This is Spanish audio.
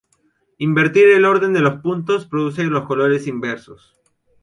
Invertir el orden de los puntos produce los colores inversos.